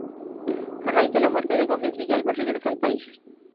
A raíz de la muerte de Gómez, Villalba regresa al país.